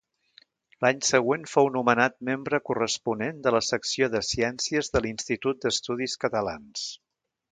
L'any següent fou nomenat membre corresponent de la Secció de Ciències de l'Institut d'Estudis Catalans.